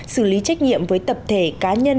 xử lý trách nhiệm với tập thể cá nhân